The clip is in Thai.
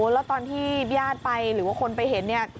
แล้วตอนที่ยาดไปหรือว่าคนไปเห็น